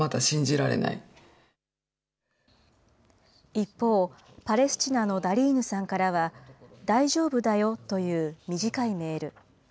一方、パレスチナのダリーヌさんからは、大丈夫だよという短いメール。